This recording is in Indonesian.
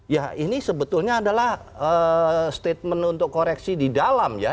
ya ini sebetulnya adalah statement untuk koreksi di dalam ya